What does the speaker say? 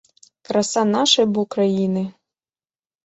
Краса нашай бо краіны!